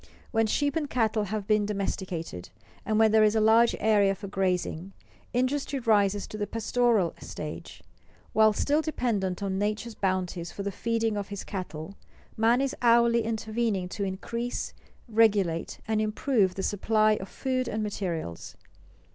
When sheep and cattle have been domesticated, and where there is a large area for grazing, industry rises to the pastoral stage. While still dependent on nature's bounties for the feeding of his cattle, man is hourly intervening to increase, regulate, and improve the supply of food and materials.